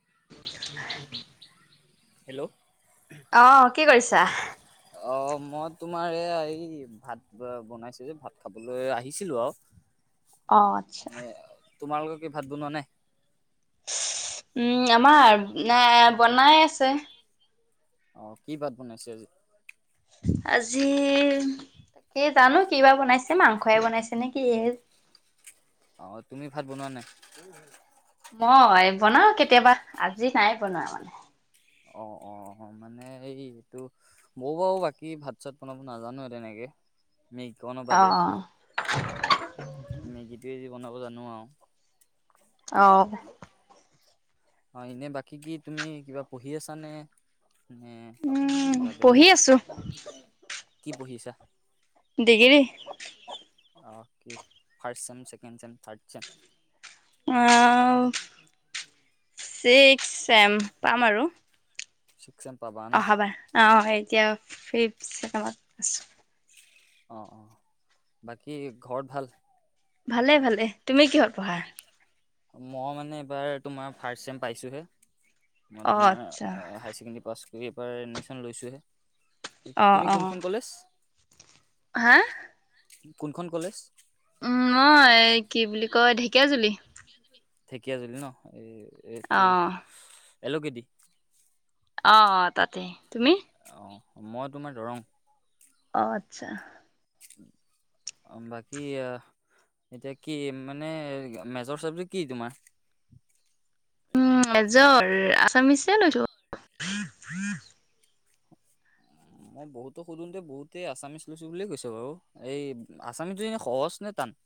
[inaudible] Hello. অ' কি কইছা? অ' মই তোমাৰ এয়া এই ভাত ব-বনাইছো যে ভাত খাবলৈ আহিছিলো আও। অ' আতছা। তোমালোকৰ কি ভাত বনোৱা নাই? উম আমাৰ আ বনাই আছে। অ' কি বাত বনাইছে আজি? আজি তাকেই জানো কি বা বনাইছে মাংসই বনাইছে নে কিয়ে। অ' তুমি ভাত বনোৱা নাই? মই বনাও কেতিয়াবা আজি নাই বনোৱা মানে। অ', অ', অ' মানে এইটো ময়ো বাও বাকী ভাত চাত বনাব নাজানো তেনেকে। [inaudible] মেগীকন বাদে, অ', মেগীটোৱে যি বনাব জানো আও। অ'। অ' এনে বাকী কি তুমি কিবা পঢ়ি আছানে? নে কিবা পঢ়ি বেলেগ। আছোঁ পঢ়ি আছোঁ। কি পঢ়িছা? দিগিৰি। অ' কে first sem, second sem, third sem. আ ছিক্স চেম পাম আৰু। Six sem. পাবা ন অহাবা অ' এতিয়া ফিফ চেমত আছোঁ। অ', অ' বাকী ঘৰত ভাল? ভালে-ভালে তুমি কিহত পঢ়া? মই মানে এইবাৰ তোমাৰ ফাৰ্ষ্ট চেম পাইছোহে। মই তোমাৰ অ, হায় ছেকেণ্ডৰী পাছ কৰি এইবাৰ এডমিচন লৈছোহে। অ', তুমি অ', কোনখন কলেজ? হা? কোনখন কলেজ? উম, মই এ কি বুলি কয় ঢেকীয়াজুলি। ঢেকীয়াজুলি ন'এই এইটো অ', এলকেদি। অ, তাতে তুমি? অ, মই তোমাৰ দৰং। অ', আচ্ছা। [unintelligible] বাকী এয়া এতিয়া কি মানে মেজৰ চাবজেক্ট কি তোমাৰ? উম, মেজৰ আচামিচে লৈছো। মই বহুতো সুধোতে বহুতেই আছামিছ লৈছো বুলিয়ে কৈছ বাৰু এই আছামিচটো এনে সহজ নে টান? [inaudible]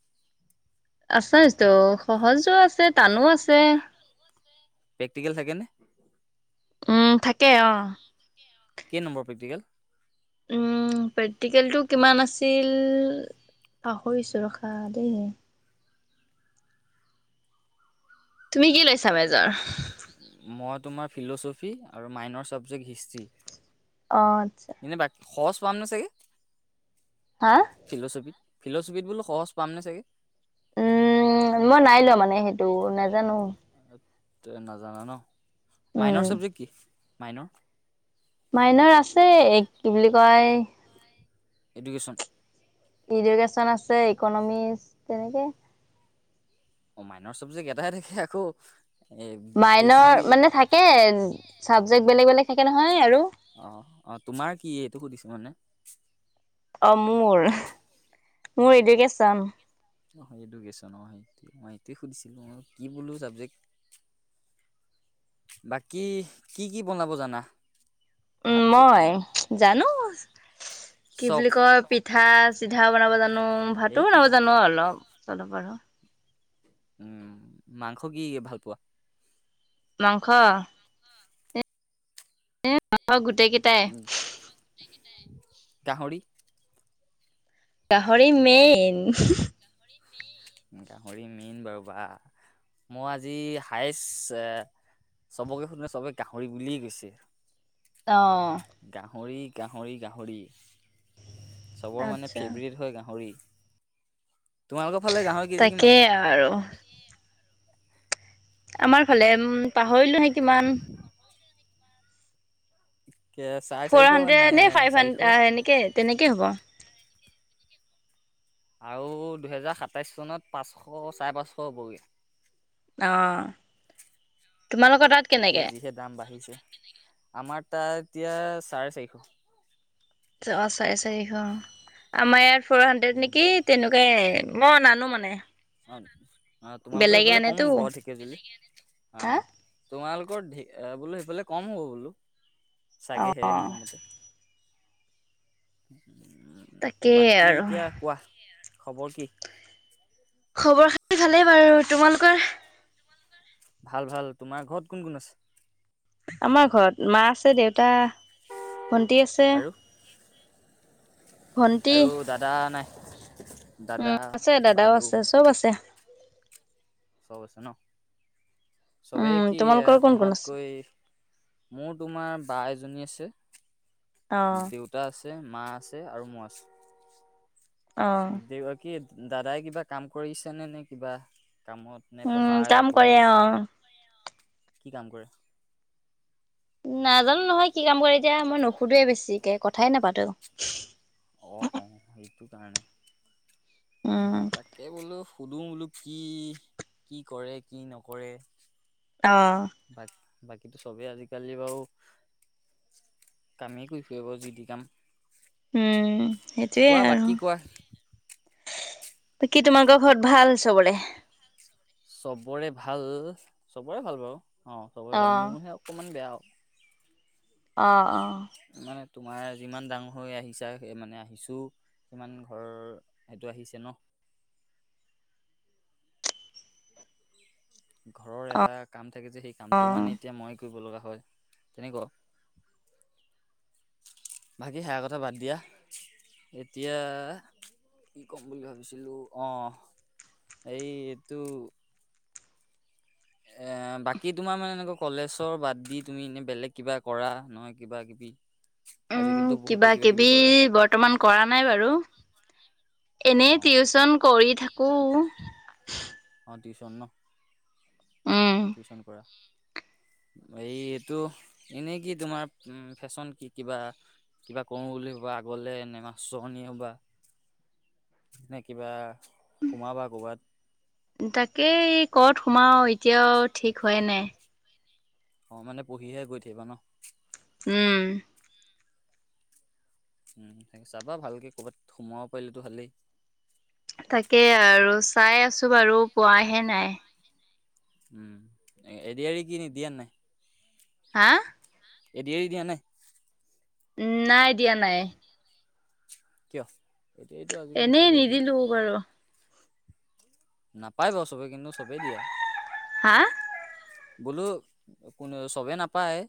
আচামিচতো সহজো আছে টানো আছে। প্ৰেক্টিকেল থাকে নে? উম থাকে অঁ। কেই নম্বৰ প্ৰেকটিকেল? উম প্ৰেক্টিকেলটো কিমান আছিল? পাহৰিছোঁ ৰখা দেই। তুমি কি লৈছা মেজৰ? মই তোমাৰ ফিল'চফি আৰু মাইনৰ ছাবজেক্ট হিষ্ট্ৰী। অঁ, আচ্ছা। এনে বাকী সহজ পাম নে চাগে, হা? ফিল'ছফী? ফিলচফিত বোলো সহজ পাম নে চাগে? উম, মই নাই লোৱা মানে সেইটো নাজানো। নাজানা ন, উম। মাইনৰ চাবজেক্ট কি? মাইনৰ? মাইনৰ আছে, কি বুলি কয় এডুকেচন। ইডুকেশ্যন আছে, ইকনমিক্স তেনেকে অ', মাইনৰ চাবজেক্ট এটাহে থাকে আকৌ এ বেছি মাইনৰ মানে থাকে, চাবজেক্ট বেলেগ বেলেগ থাকে নহয় আৰু। অ', অ', তোমাৰ কি এইটো সুধিছো মানে। অ', মোৰ, মোৰ এডুকেচন। অ', এডুকেশ্যন অ', [unintelligible] মই সেইটোৱে সুধিছিলোঁ ম কি বোলো ছাবজেক্ট বাকী কি, কি বনাব জানা? উম, ভাত মই জানোঁ কি চব বুলি কয় পিঠা চিঠা বনাব জানোঁ, ভাতো এই পি বনাব জানোঁ অলপ, চলপ আৰু। উম, মাংস কি ভাল পোৱা? মাংস [unintelligible] উম, [unintelligible] গাহৰি। গাহৰি মেইন। গাহৰি মেইন বাৰু বা, মই আজি হায়েষ্ট অ' চবকে সোধোতে চবে গাহৰি বুলিয়েই কৈছে। অ গাহৰি, গাহৰি, গাহৰি। চবৰ মানে আচ্ছা ফেভৰেট হয়, গাহৰি। তোমালোকৰ ফালে গাহৰি কেজি কিমান তাকেই আৰু। আমাৰ ফালে উম, পাহৰিলোঁ সেই [unintelligible] চাৰে ফ'ৰ চাৰিশ হাণ্ড্ৰেড নে, ফাইভ চাৰিশ হাণ্ড্ৰেড আ, সেনেকে, তেনেকে হ'ব। আৰু দুহেজাৰ সাতাইচ চনত পাঁচশ, চাৰে পাঁচশ হ'বগে অ'। তোমালোকৰ তাত এতিয়া কেনেকে যিহে দাম বাঢ়িছে, আমাৰ তাত এতিয়া চাৰে চাৰিশ। অ', চাৰে চাৰিশ অ', আমাৰ ইয়াত ফৰ হাণ্ড্ৰেড উম নেকি তেনেকুৱাই মই নানো। মানে অ', অ', তোমালোকৰ বেলেগে এইফালে কম আনেতো হ'ব ঢেকীয়াজুলি হা অ'। তোমালোকৰ [unintelligible] বোলো সেইফালে কম হ'ব বোলো অ চাগেহে মোৰ মতে। [inaudible] তাকেই বাকী আৰু এতিয়া কোৱা খবৰ কি? খবৰ-খাতি ভালেই বাৰু। তোমালোকৰ? ভাল ভাল। তোমাৰ ঘৰত কোন কোন আছে? আমাৰ ঘৰত মা আছে, দেউতা, ভণ্টি আছে। আৰু ভন্টি আৰু দাদা নাই? দাদা উম, আছে। দাদাও বাইদেউ আছে, চব আছে। চব আছে ন? চবেই উম কি তোমালোকৰ কোন কোন আছে তোমাতকৈ মোৰ তোমাৰ বা এজ নি আছে অ দেউতা আছে মা আছে আৰু মই আছো। অ দে কি দাদাই কিবা কাম কৰিছে নে নে কিবা কামত নে উম পঢ়াই কাম পঢ়ি কৰে আছে অ কি কাম কৰে? নাজানো নহয় কি কাম কৰে এতিয়া মই নুখোধোৱে বেছিকে কথাই নাপাতো। অ, অ সেইটো কাৰণে উম মই তাকে বোলো শুধু বোলো কি কি কৰে কি নকৰে। অঁ। বাকীটো চবেই আজিকালি বাৰু! কামেই কৰি ফুৰি বাও যি তি কাম। উম। সেইটোয়ে কোৱা আৰু বাকী কোৱা? বাকী তোমালোকৰ ঘৰত ভাল চবৰে? চবৰে ভাল চবৰে ভাল বাৰু অ' চবৰে ভাল অ', মোৰহে অকমান বেয়া। অঁ অঁ। মানে তোমাৰ যিমান ডাঙৰ হৈ আহিছা, সেই মানে আহিছো কিমান ঘৰ সেইটো আহিছে ন। ঘৰৰ এটা কাম থাকে যে সেই কামটো অ', মানে এতিয়া মই কৰিব লগা হয়, তেনেকুৱা বাকী সেয়া কথা বাদ দিয়া। এতিয়া কি ক'ম বুলি ভাবিছিলো অ' এই এইটো এ' বাকী তোমাৰ মানে এনেকুৱা কলেজৰ বাদ দি তুমি এনে বেলেগ কিবা কৰা নহয় কিবা কিবা কি উম, আজিকালিতো বহুতে কিবা - কিবি বৰ্তমান কৰা নাই বাৰু। এনেই অ টিউচন কৰি থাকো অ টিউচন ন উম। টিউচন কৰা এই এইটো এনেই কি তোমাৰ ফেশ্বন কি কিবা কিবা কৰো বুলি ভবা আগলে এনে মাষ্টৰনী হবা এনে কিবা সোমাবা ক'বাত তাকেই কত সোমাও এতিয়াও ঠিক হোৱাই নাই অঁ মানে পঢ়িয়ে গৈ থাকিবা ন উম চাবা ভালকে ক'বাত সোমাব পাৰিলেতো ভালেই তাকে আৰু চাই আছো বাৰু পোৱাহে নাই উম এ দি আৰ ই কি দিয়া নাই হা এ দি আৰ ই দিয়া নাই উম নাই দিয়া নাই কিয় এইটো এইটো আজিকালি এনেই চবেই দিয়ে নিদিলো বাৰু, নাপায় বাৰু চবে কিন্তু চবেই দিয়ে হা বোলো চবে নাপায়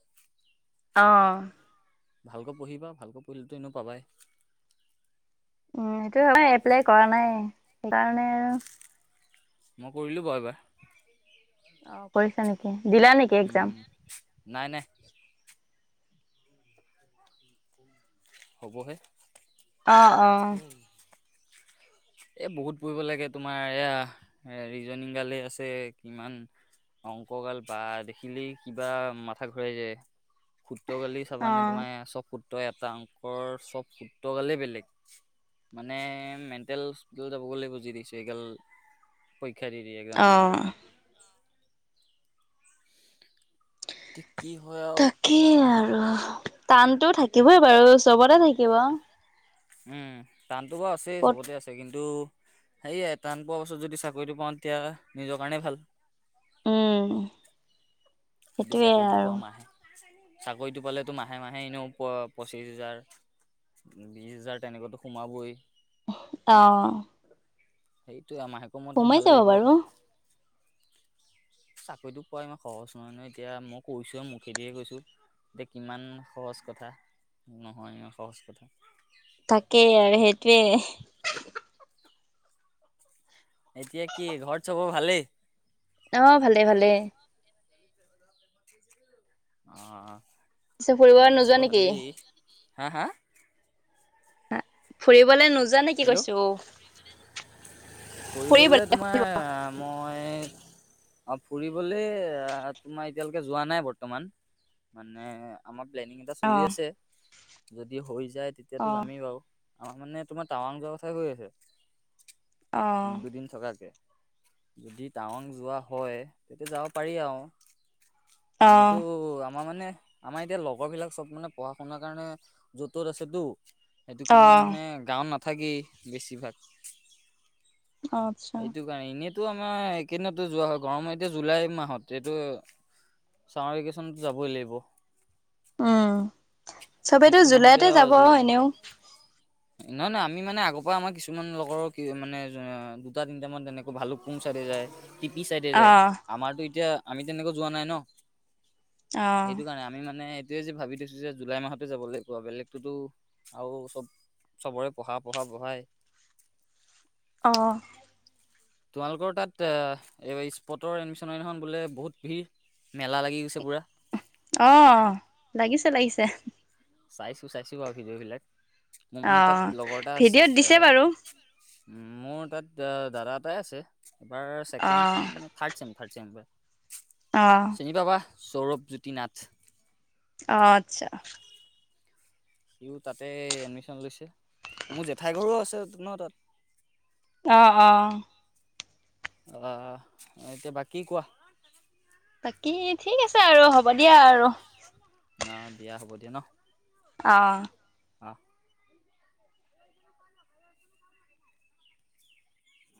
অ ভালকৈ পঢ়িবা ভালকৈ পঢ়িলে তেনো এনেও পাবাই উম সেইটো হয় এপ্লাই কৰা নাই সেইকাৰণে আৰু মই কৰিলো বাৰু এবাৰ অ কৰিছা নিকি দিলা নিকি এক্জাম উম নাই নাই হ'বহে অ, অ। [unintelligible] এ বহুত পঢ়িব লাগে। তোমাৰ এয়া ৰিজনিং গালে আছে কিমান। অংকগাল বা দেখিলেই কিবা মাথা ঘূৰাই যায়। সুত্ৰ গালেই চাবানে। অ'। তোমাৰ চব সুত্ৰ এটা অংকৰ চব সুত্ৰ গালেই বেলেগ। মানে মেণ্টেল হস্পিতল যাব গৈ লাগিব যি দেখিছো এইগাল কৈক পৰীক্ষা দি দি এক্সাম দি দি। অ'। এতিয়া কি হয় আৰু তাকেই আৰু। টানতো থাকিবই বাৰু চবতে থাকিব। উম, টানতো বাৰু আছেই ক'ত চবতে আছে। কিন্তু ন্তু সেয়াই টান পোৱা পাছত যদি চাকৰিটো পাওঁ, তেতিয়া নিজৰ কাৰণে ভাল। উম। যদি সেইটোৱে চাকৰিটো আৰু পোৱা মাহে চাকৰিটো পালেতো মাহে মাহে এনেও প পঁচিশ হেজাৰ বিশ হাজাৰ তেনেকেটো সোমাবই। অ। সেইটোৱে মাহেকৰ মূৰটো সোমাই ভাল যাব লাগিব। বাৰু। চাকৰিটো পোৱা ইমান সহজ নহয় নহয় এতিয়া মই কৈছো মুখেদিহে কৈছো। এতিয়া কিমান সহজ কথা, নহয় সহজ কথা। তাকেই আৰু সেইটোৱে, এতিয়া কি ঘৰত চবৰ ভালেই? অ, ভালে ভালেই। অ, পিছে ফুৰিব নোযোৱা মোৰ নেকি? ভালেই। হা হা। ফুৰিবলে নোযো হেল্ল' ফুৰিবলে তোমাৰ মই অ ফুৰিবলে, আ তোমাৰ এতিয়ালেকে যোৱা নাই বৰ্তমান। মানে, আমাক প্লেনিং এটা চলি অ', আছে। যদি হৈ যায় তেতিয়াতো অ', যামেই বাৰু। আমাৰ মানে তোমাৰ টাৱাং যোৱা কথাই কৈ আছে। অ', দুদিন থকাকে যদি টাৱং যোৱা হয়, তেতিয়া যাব পাৰি আৰু। অ', এনেতো আ আমাৰ মানে আমাৰ এতিয়া লগৰ বিলাক চব মানে, পঢ়া শুনাৰ কাৰণে য'ত ত'ত আছেতো। সেইটো কাৰণে অ', মানে গাওত নাথাকেই বেছিভাগ। অ', আচ্ছা। এইটো কাৰণে। এনেইটো আমাৰ একেইদিনটো যোৱা হয় গৰমত এতিয়া জুলাই মাহত এইটো ছামাৰ ভেকেশ্যনত যাবই লাগিব। উম, সবেইতো সেইটো মাহতে জুলাইতে আৰু যাব যি এনেও। নহয় - নহয়। আমি মানে আগৰ পৰা আমাৰ কিছুমান লগৰ কি মানে দুটা তিনিটা মান তেনেকৈ ভালুক পুং সাইদে যায়। টিপি চাইডে যায়। অ', আমাৰটো এতিয়া আমি তেনেকৈ যোৱা নাই ন। অ', সেইটো কাৰণে আমি মানে, এইটোয়ে যি ভাবি থৈছো যে জুলাই মাহত যাবলৈ কোৱা বেলেগটোতো আৰু চব চবৰে পঢ়া - পঢ়া-পঢ়াই। [inaudible] অ', তোমালোকৰ তাত এ স্পটৰ এডমিচনৰ দিনা বোলে বহুত ভিৰ। মেলা লাগি গৈছে পুৰা। অ, লাগিছে লাগিছে। চাইছো-চাইছো আৰু ভিডিঅ' বিলাক। মোৰ মানে অ'। তাত লগৰ এটা ভিডিঅ'ত আছে। দিছে বাৰু। এ মোৰ তাত দাদা এটাই আছে। এবাৰ ছেকেণ্ড চেম অ'। থাৰ্ড চেম - থাৰ্ড চেম এইবাৰ। অ', চিনি পাবা সৌৰভজ্যোতি নাথ। অহ, আচ্ছা। সিও তাতে এডমিশন লৈছে। মোৰ জেঠাই ঘৰো আছে ন তাত। অ-অ। অ, এতিয়া বাকী কোৱা? কি? ঠিক আছে আৰু হ'ব দিয়া আৰু। ন দিয়া হ'ব দিয়া ন? অহ ', অ',